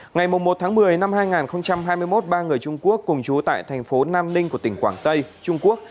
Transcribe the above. ngày một một mươi năm hai nghìn hai mươi một ba người trung quốc cùng chú tại thành phố nam ninh của tỉnh quảng tây trung quốc